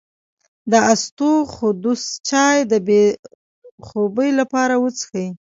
د اسطوخودوس چای د بې خوبۍ لپاره وڅښئ